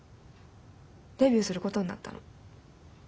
デビューすることになったの。